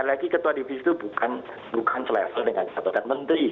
tapi ketua divisi itu bukan bukan selesai dengan jabatan menteri